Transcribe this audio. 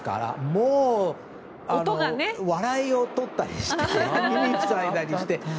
もう、笑いをとったりして耳を塞いだりして。